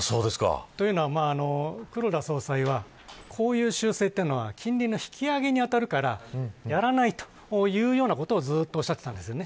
というのは黒田総裁はこういう修正は金利の引き上げに当たるからやらないということをずっとおっしゃっていったんですね。